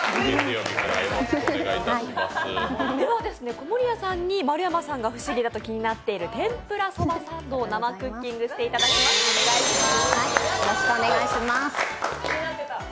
籠谷さんに、丸山さんが不思議だと気になっている生クッキングしていただきますお願いします。